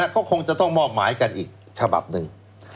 ก็คงจะต้องมอบหมายกันอีกฉบับหนึ่ง